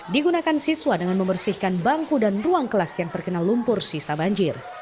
digunakan siswa dengan membersihkan bangku dan ruang kelas yang terkena lumpur sisa banjir